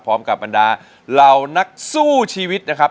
พร้อมกับอันดาร่าวนักสู้ชีวิตนะครับ